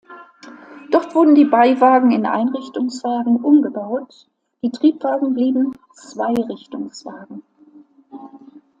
Dort wurden die Beiwagen in Einrichtungswagen umgebaut, die Triebwagen blieben Zweirichtungswagen.